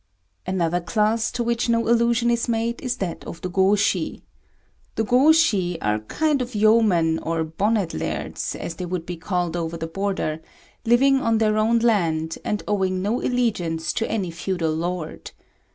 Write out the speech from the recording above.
Another class to which no allusion is made is that of the Gôshi. The Gôshi are a kind of yeomen, or bonnet lairds, as they would be called over the border, living on their own land, and owning no allegiance to any feudal lord.